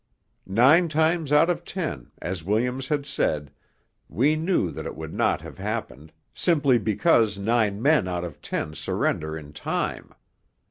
Nine times out of ten, as Williams had said, we knew that it would not have happened, simply because nine men out of ten surrender in time.